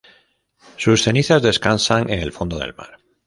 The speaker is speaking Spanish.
Sus cenizas descansan en el fondo del mar.